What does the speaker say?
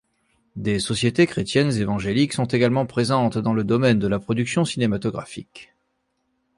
Des sociétés chrétiennes évangéliques sont également présentes dans le domaine de la production cinématographique.